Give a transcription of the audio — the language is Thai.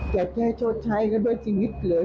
แกะแกะโชชัยก็ด้วยชีวิตเลย